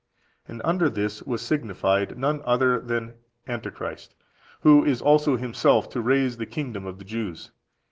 And under this was signified none other than Antichrist, who is also himself to raise the kingdom of the Jews.